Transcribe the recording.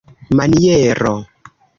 maniero